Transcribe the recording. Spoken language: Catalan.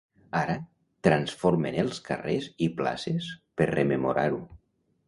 Ara transformen els carrers i places per rememorar-ho.